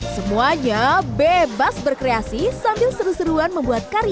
semuanya bebas berkreasi sambil seru seruan membuat karya